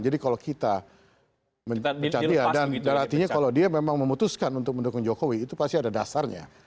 jadi kalau kita mencantik dia dan artinya kalau dia memang memutuskan untuk mendukung jokowi itu pasti ada dasarnya